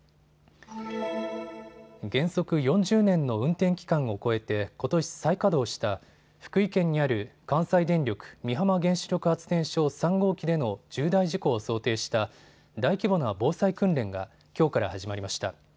原則４０年の運転期間を超えてことし再稼働した福井県にある関西電力美浜原子力発電所３号機での重大事故を想定した大規模な防災訓練がきょうから始まりました。